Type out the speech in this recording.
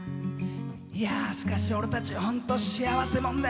いやあしかし俺たち本当幸せ者だよ。